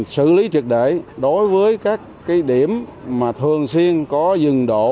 xử lý trực đẩy đối với các điểm mà thường xuyên có dừng đổ